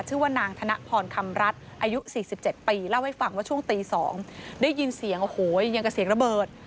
ชื่อว่านางธนพรคำรัฐอายุ๔๗ปีเล่าให้ฟังว่าช่วงตี๒ได้ยินเสียงโอ้โหยังกับเสียงระเบิด